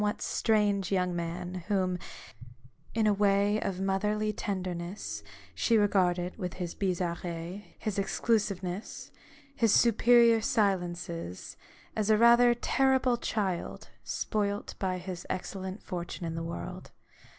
115 what strange young man, whom, in a way of motherly tenderness, she regarded, with his bizarveries, his exclusiveness, his superior silences, as a rather terrible child, spoilt by his excellent fortune in the world.